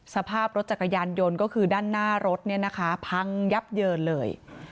สภาพรถจักรยานยนต์ก็คือด้านหน้ารถเนี่ยนะคะพังยับเยินเลย